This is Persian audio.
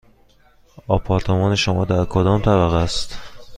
آپارتمان شما در کدام طبقه است؟